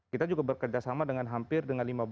kita juga bekerjasama dengan hampir dengan